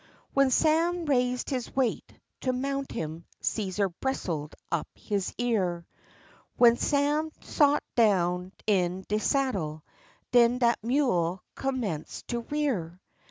Wen Sam raised his weight to mount him, Cæsar bristled up his ear, W'en Sam sot down in de saddle, den dat mule cummenced to rear.